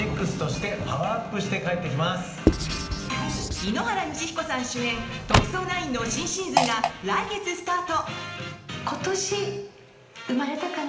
井ノ原快彦さん主演「特捜９」の新シーズンが来月スタート！